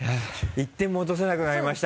１点も落とせなくなりました。